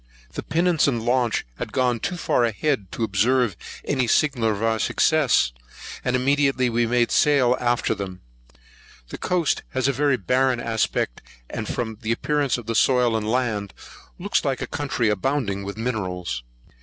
The pinnace and launch had gone too far ahead to observe any signal of our success; and immediately we made sail after them. The coast has a very barren aspect; and, from the appearance of the soil and land, looks like a country abounding with minerals.